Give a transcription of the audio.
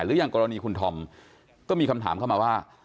อย่างกรณีคุณธอมก็มีคำถามเข้ามาว่า